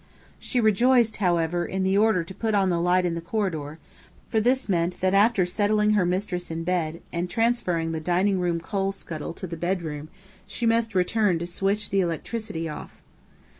She rejoiced, however, in the order to put on the light in the corridor, for this meant that after settling her mistress in bed and transferring the dining room coal scuttle to the bedroom she must return to switch the electricity off.